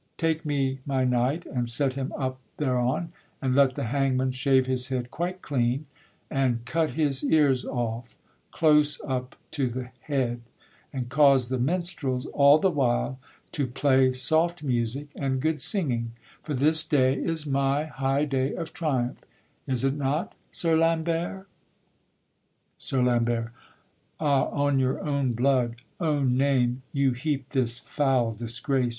Take me my knight, and set him up thereon, And let the hangman shave his head quite clean, And cut his ears off close up to the head; And cause the minstrels all the while to play Soft music, and good singing; for this day Is my high day of triumph; is it not, Sir Lambert? SIR LAMBERT. Ah! on your own blood, Own name, you heap this foul disgrace?